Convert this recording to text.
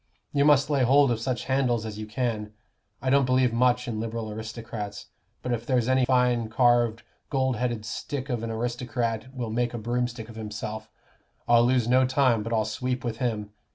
You must lay hold of such handles as you can. I don't believe much in Liberal aristocrats; but if there's any fine carved gold headed stick of an aristocrat will make a broomstick of himself, I'll lose no time but I'll sweep with him.